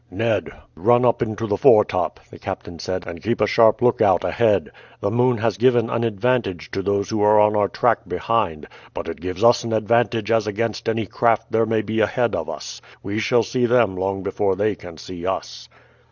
"Ned, run up into the foretop," the captain said, "and keep a sharp lookout ahead. The moon has given an advantage to those who are on our track behind, but it gives us an advantage as against any craft there may be ahead of us. We shall see them long before they can see us."